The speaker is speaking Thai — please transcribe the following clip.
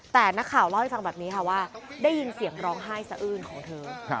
แต่นักข่าวเล่าให้ฟังแบบนี้ค่ะว่าได้ยินเสียงร้องไห้สะอื้นของเธอ